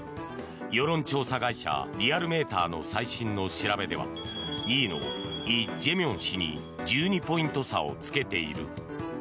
世論調査会社リアルメーターの最新の調べでは２位のイ・ジェミョン氏に１２ポイント差をつけている。